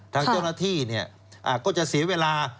ทางเจ้าหน้าที่ก็จะเสียเวลา